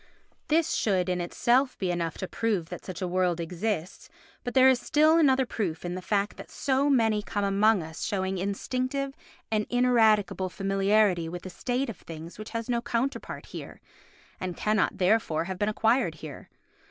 This should in itself be enough to prove that such a world exists, but there is still another proof in the fact that so many come among us showing instinctive and ineradicable familiarity with a state of things which has no counterpart here, and cannot, therefore, have been acquired here.